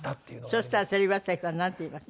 そしたらテレビ朝日はなんて言いました？